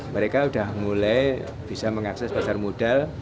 mereka sudah mulai bisa mengakses pasar modal